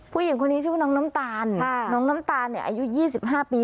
ผู้หญิงคนนี้ชื่อว่าน้องน้ำตาลน้องน้ำตาลอายุ๒๕ปี